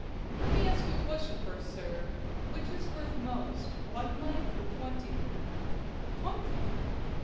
"Let me ask you a question first, sir. Which is worth most, one life or twenty?" "Twenty."